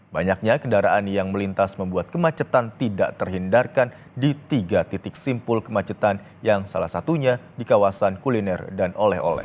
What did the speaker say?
banyaknya kendaraan yang melintas membuat kemacetan tidak terhindarkan di tiga titik simpul kemacetan yang salah satunya di kawasan kuliner dan oleh oleh